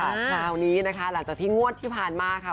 คราวนี้นะคะหลังจากที่งวดที่ผ่านมาค่ะ